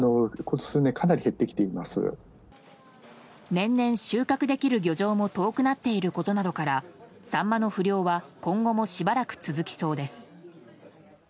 年々、収穫できる漁場も遠くなっていることなどからサンマの不漁は今後もしばらく続きそうです。